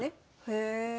へえ。